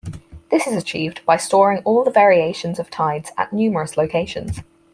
This is achieved by storing all the variations of tides at numerous locations.